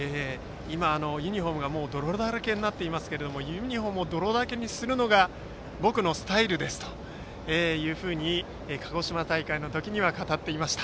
今、ユニフォームがもう泥だらけになっていますがユニフォームも泥だらけにするのが僕のスタイルですと鹿児島大会の時には語っていました。